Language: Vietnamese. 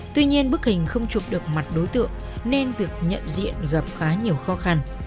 tuy nhiên bức hình không chụp được mặt đối tượng nên việc nhận diện gặp khá nhiều khó khăn